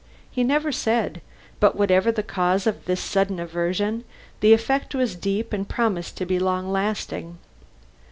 He never said, but whatever the cause of this sudden aversion, the effect was deep and promised to be lasting.